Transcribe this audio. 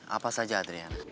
apa saja adriana